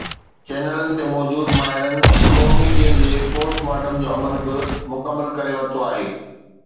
چينلن تي موجود ”ماهرن“ قومي ٽيم جي پوسٽ مارٽم جو عمل به مڪمل ڪري ورتو آهي.